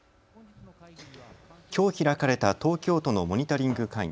きょう開かれた東京都のモニタリング会議。